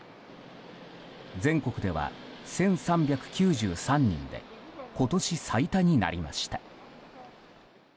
全国では１３９３人で今年最多になりました。